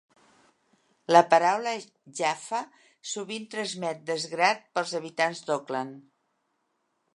La paraula Jafa sovint transmet desgrat pels habitants d'Auckland.